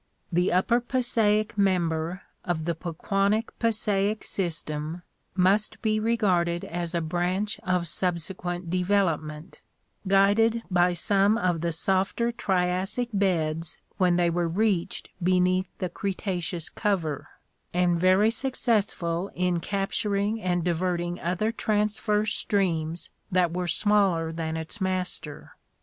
The upper Passaic member of the Pequannock Passaic system must be re garded as a branch of subsequent development, guided by some of the softer Triassic beds when they were reached beneath the Cretaceous cover, and very successful in capturing and diverting other transverse streams that were smaller than its master.